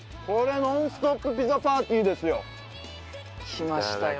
きましたよ。